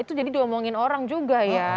itu jadi diomongin orang juga ya